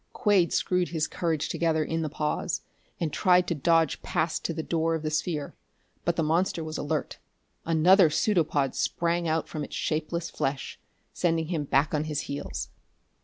Quade screwed his courage together in the pause, and tried to dodge past to the door of the sphere; but the monster was alert: another pseudopod sprang out from its shapeless flesh, sending him back on his heels.